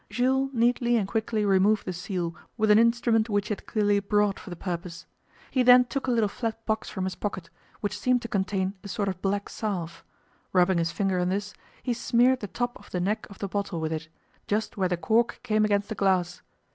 Jules neatly and quickly removed the seal with an instrument which he had clearly brought for the purpose. He then took a little flat box from his pocket, which seemed to contain a sort of black salve. Rubbing his finger in this, he smeared the top of the neck of the bottle with it, just where the cork came against the glass.